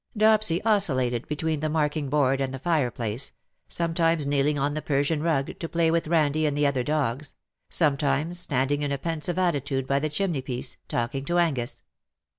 Dopsy oscillated bet wee a the marking board and the fireplace — sometimes kneeling on the Persian rug to play with Eandie and the other dogs, sometimes standing in a pensive attitude by the chimneypiece, talking to Angus.